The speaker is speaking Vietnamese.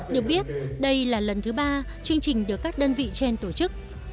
được biết đây là lần thứ ba chương trình được các đơn vị trên tổ chức